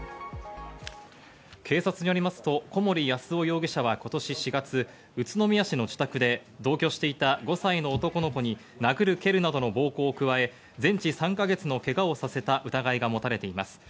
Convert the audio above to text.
警察によりますと小森安男容疑者は今年４月、宇都宮市の自宅で同居していた５歳の男の子に殴る蹴るなどの暴行を加え全治３か月のけがをさせた疑いがもたれています。